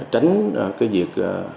tránh cái việc